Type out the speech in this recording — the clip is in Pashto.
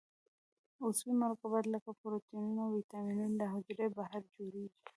عضوي مرکبات لکه پروټینونه او وېټامینونه له حجرې بهر جوړیږي.